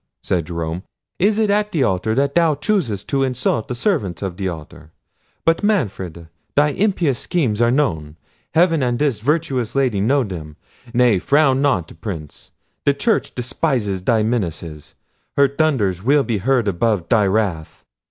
said Jerome; "is it at the altar that thou choosest to insult the servants of the altar?—but, Manfred, thy impious schemes are known. Heaven and this virtuous lady know them—nay, frown not, Prince. The Church despises thy menaces. Her thunders will be heard above thy wrath.